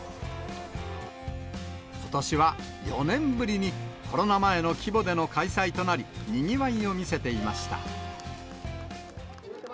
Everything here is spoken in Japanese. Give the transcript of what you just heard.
ことしは４年ぶりに、コロナ前の規模での開催となり、にぎわいを見せていました。